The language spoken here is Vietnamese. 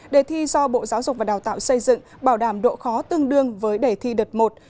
đề thi do bộ giáo dục và đào tạo xây dựng bảo đảm độ khó tương đương với đề thi đợt một